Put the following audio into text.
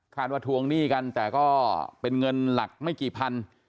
ว่าทวงหนี้กันแต่ก็เป็นเงินหลักไม่กี่พัน